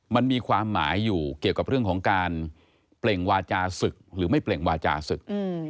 มันมีความหมายอยู่เกี่ยวกับเรื่องของการเปล่งวาจาศึกหรือไม่เปล่งวาจาศึก